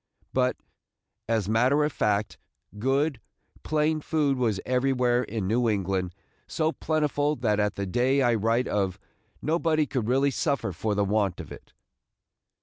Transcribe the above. But, as matter of fact, good, plain food was everywhere in New England so plentiful that at the day I write of nobody could really suffer for the want of it.